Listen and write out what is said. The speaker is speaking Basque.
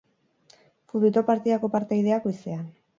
Futbito partidako partaideak, goizean.